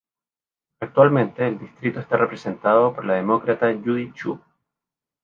Actualmente el distrito está representado por la Demócrata Judy Chu.